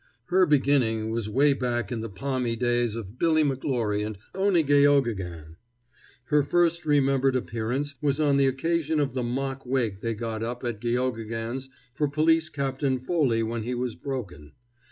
Her beginning was way back in the palmy days of Billy McGlory and Owney Geoghegan. Her first remembered appearance was on the occasion of the mock wake they got up at Geoghegan's for Police Captain Foley when he was broken.